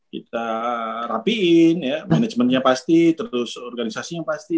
kita rapiin manajemennya pasti terus organisasinya pasti